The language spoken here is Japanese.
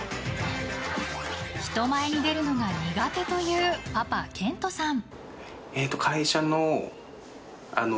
人前に出るのが苦手というパパ、健人さん。